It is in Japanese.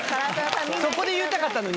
そこで言いたかったのにね。